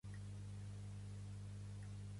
El primer president interí va ser Cathal Brugha.